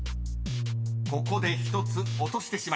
［ここで１つ落としてしまいました］